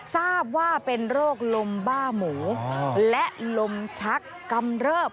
ทราบว่าเป็นโรคลมบ้าหมูและลมชักกำเริบ